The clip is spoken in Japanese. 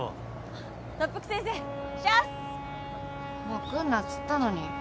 もう来んなっつったのに。